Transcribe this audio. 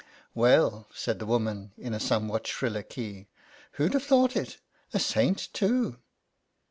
"Well," said the woman, in a somewhat shriller key, "who'd have thought it! A saint, too